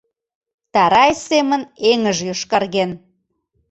Тарай семын эҥыж йошкарген.